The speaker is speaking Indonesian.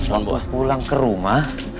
untuk pulang ke rumah